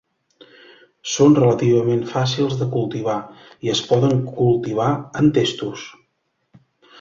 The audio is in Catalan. Són relativament fàcils de cultivar, i es poden cultivar en testos.